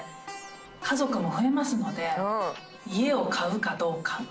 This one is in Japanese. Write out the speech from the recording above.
家族も増えますので家を買うかどうか。